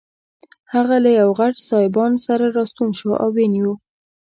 هغه له یوه غټ سایبان سره راستون شو او ویې نیو.